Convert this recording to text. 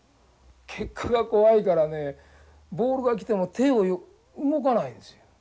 結果が怖いからねボールが来ても手動かないんですよ。